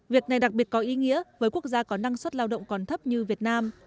việc này đặc biệt có ý nghĩa với quốc gia có năng suất lao động còn thấp như việt nam